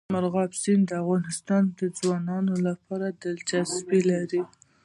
مورغاب سیند د افغان ځوانانو لپاره دلچسپي لري.